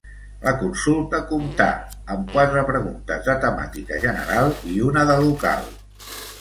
La consulta comptà amb quatre preguntes de temàtica general i una de local.